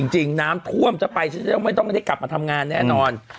จริงน้ำท่วมจะไปไม่ต้องกลับมาทำงานแน่นอน